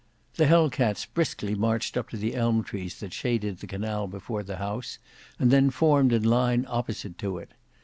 The Hell cats briskly marched up to the elm trees that shaded the canal before the house, and then formed in line opposite to it.